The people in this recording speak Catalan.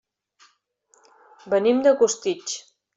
Venim de Costitx.